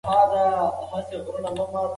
د اقتصادي ودي په اړه پخوا هم ډیري لیکنې سوې وې.